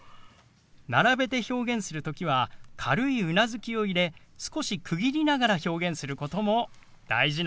並べて表現する時は軽いうなずきを入れ少し区切りながら表現することも大事なんです。